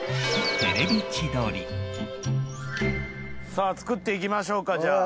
さあ作っていきましょうかじゃあ。